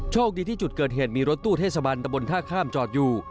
โชคดีที่จุดเกิดเหตุมีรถตู้เทศบันตะบนท่าข้ามจอดอยู่